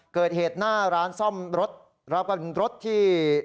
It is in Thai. เกิดเหตุหน้าร้านซ่อมรถแล้วก็รถที่